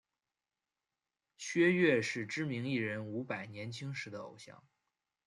薛岳是知名艺人伍佰年轻时的偶像。